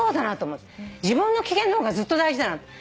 自分の機嫌の方がずっと大事だなと。